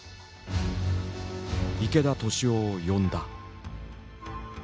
池田敏雄を呼んだ。